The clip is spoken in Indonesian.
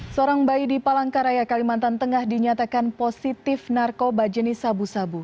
seorang bayi di palangkaraya kalimantan tengah dinyatakan positif narkoba jenis sabu sabu